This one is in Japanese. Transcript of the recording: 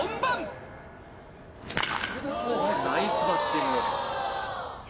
ナイスバッティング。